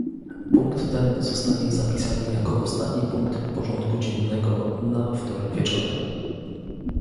Punkt ten zostanie zapisany jako ostatni punkt porządku dziennego na wtorek wieczorem